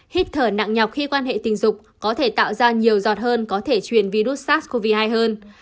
hít thở nặng nhọc khi quan hệ tình dục có thể tạo ra nhiều giọt hơn có thể truyền virus sars cov hai hơn